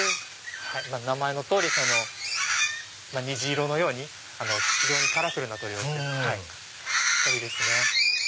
名前の通り虹色のように非常にカラフルな鳥ですね。